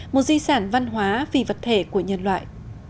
một di sản văn hóa phi vật thể của nhân loại